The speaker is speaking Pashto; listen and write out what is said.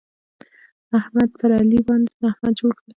احمد پر علي باندې زحمت جوړ کړ.